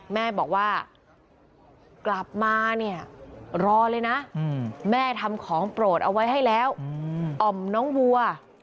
แม่บอกว่ากลับมาเนี่ยรอเลยนะแม่ทำของโปรดเอาไว้ให้แล้วอ่อมน้องวัว